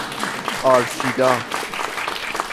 آرشیدا